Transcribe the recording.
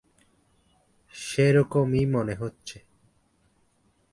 সেরকমই মনে হচ্ছে।